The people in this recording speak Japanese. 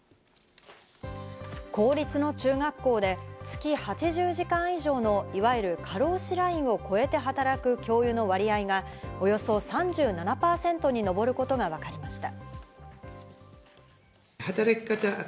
公立の中学校で、月８０時間以上のいわゆる過労死ラインを超えて働く教諭の割合がおよそ３７％に上ることがわかりました。